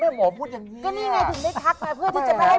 นี่ไงนี่ถึงได้ทักมา